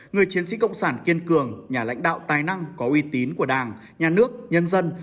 người chiến sĩ cộng sản kiên cường nhà lãnh đạo tài năng có uy tín của đảng nhà nước nhân dân